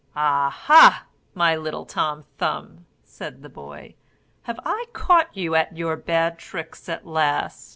"Ah ha, my little Tom Thumb!" said the boy, "have I caught you at your bad tricks at last?